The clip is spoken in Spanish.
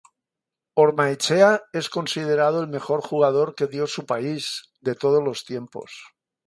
Ormaechea es considerado el mejor jugador que dio su país, de todos los tiempos.